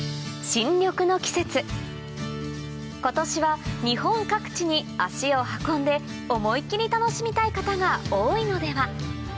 新緑の季節今年は日本各地に足を運んで思いっ切り楽しみたい方が多いのでは？